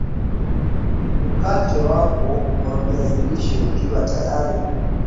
mkate wako wa viazi lishe ukiwa tayari